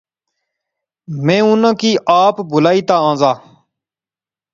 میں اُنہاں کی آپ بلائی تے آنزا